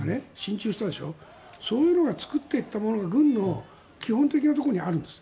そういうのが作っていったものが軍の基本的なところにあるんです。